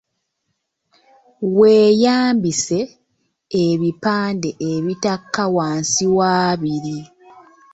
Weeyambise ebipande ebitakka wansi w’abiri.